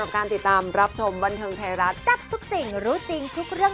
เราขายสุนท้าอะไรอย่างนี้ทุกคนก็แบบโอเคขึ้น